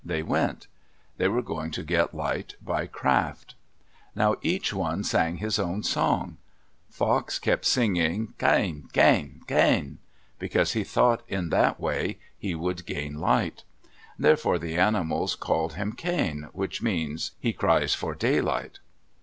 They went. They were going to get light by craft. Now each one sang his own song. Fox kept singing, Khain, khain, khain, because he thought in that way he would gain light. Therefore the animals call him Khain, which means, "He cries for daylight."